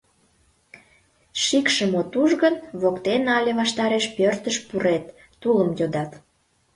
Шикшым от уж гын, воктен але ваштареш пӧртыш пурет, тулым йодат.